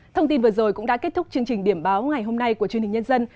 thông tin vừa rồi cũng đã kết thúc chương trình điểm báo ngày hôm nay của truyền hình nhân dân